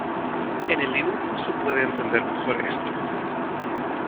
En el dibujo se puede entender mejor esto.